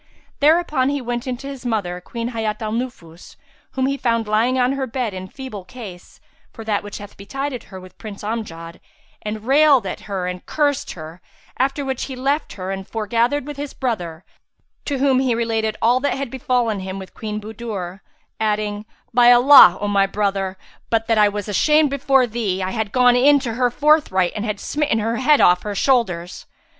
Thereupon he went in to his mother, Queen Hayat al Nufus, whom he found lying on her bed in feeble case, for that which had betided her with Prince Amjad, and railed at her and cursed her; after which he left her and fore gathered with his brother, to whom he related all that had befallen him with Queen Budur, adding, "By Allah, O my brother, but that I was ashamed before thee, I had gone in to her forthright and had smitten her head off her shoulders!"